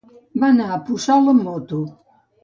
Va anar a Puçol amb moto.